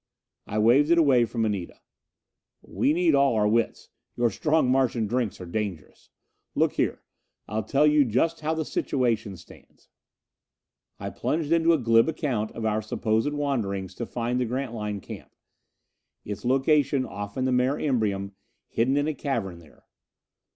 I waved it away from Anita. "We need all our wits; your strong Martian drinks are dangerous. Look here, I'll tell you just how the situation stands " I plunged into a glib account of our supposed wanderings to find the Grantline camp; its location off in the Mare Imbrium hidden in a cavern there.